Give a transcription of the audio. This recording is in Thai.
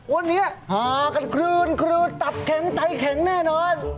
วันนี้คลืนตับแข็งใดแข็งแน่นอน